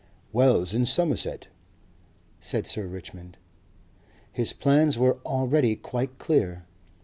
"Wells in Somerset," said Sir Richmond. His plans were already quite clear.